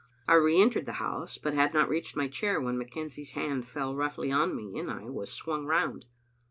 I re entered the house, but had not reached my chair when McKenzie's hand fell roughly on me, and I was swung round.